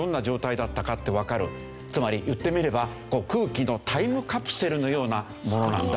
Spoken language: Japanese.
つまり言ってみれば空気のタイムカプセルのようなものなんだ。